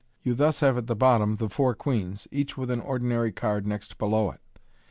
You thus have at the bottom the four queens, each with an ordinary card next below it.